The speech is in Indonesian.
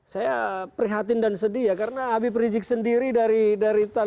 saya prihatin dan sedih ya karena abi prijik sendiri dari tanah suci dari mekah menyatakan